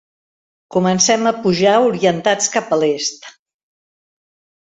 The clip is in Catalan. Comencem a pujar orientats cap a l'est.